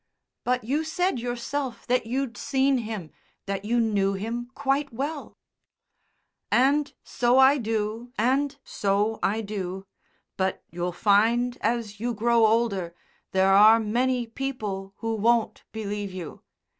"But you said yourself that you'd seen him, that you knew him quite well?" "And so I do and so I do. But you'll find, as you grow older, there are many people who won't believe you.